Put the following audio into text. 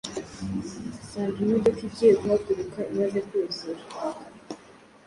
asanga imodoka igiye guhaguruka imaze kuzura,